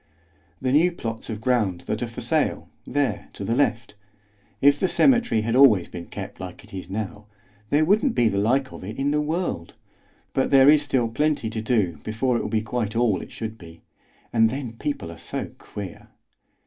"The new plots of ground that are for sale, there to the left. If the cemetery had always been kept like it is now, there wouldn't be the like of it in the world; but there is still plenty to do before it will be quite all it should be. And then people are so queer!"